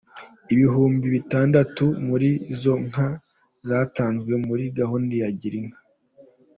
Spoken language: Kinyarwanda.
Ibihumbi bitandatu muri izo nka, zatanzwe muri gahunda ya Girinka.